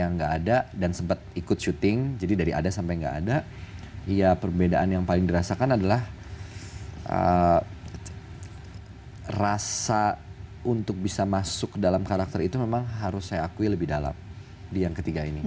yang nggak ada dan sempat ikut syuting jadi dari ada sampai nggak ada ya perbedaan yang paling dirasakan adalah rasa untuk bisa masuk dalam karakter itu memang harus saya akui lebih dalam di yang ketiga ini